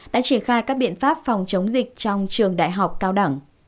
đã triển khai các biện pháp phòng chống dịch trong trường đại học cao đẳng